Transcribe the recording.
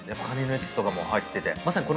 カニのやつとかも入ってて。